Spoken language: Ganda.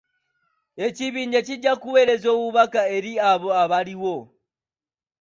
Ekibinja kijja kuweereza obubaka eri abo abaliwo.